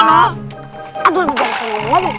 aduh lu jangan selalu